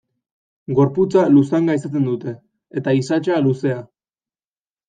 Gorputza luzanga izaten dute, eta isatsa luzea.